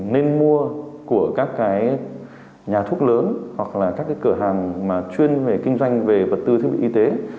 nên mua của các cái nhà thuốc lớn hoặc là các cái cửa hàng mà chuyên về kinh doanh về vật tư thiết bị y tế